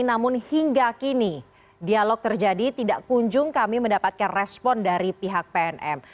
namun hingga kini dialog terjadi tidak kunjung kami mendapatkan respon dari pihak pnm